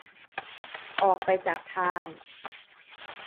ออกไปจากทาง